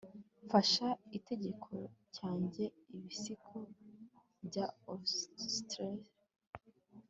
Fasha igitekerezo cyanjye ibisigo bya austere